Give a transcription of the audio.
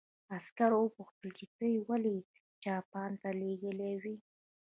عسکر وپوښتل چې ته یې ولې جاپان ته لېږلی وې